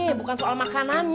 itu bukan soal makanannya